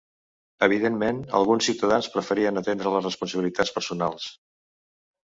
Evidentment, alguns ciutadans preferien atendre les responsabilitats personals.